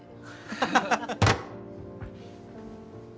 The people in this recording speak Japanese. ハハハハ。